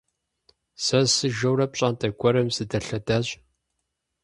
Сэ сыжэурэ пщӏантӏэ гуэрым сыдэлъэдащ.